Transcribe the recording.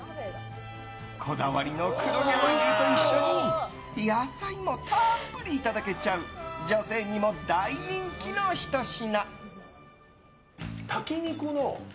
こだわりの黒毛和牛と一緒に野菜もたっぷりいただけちゃう女性にも大人気のひと品。